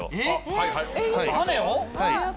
種を？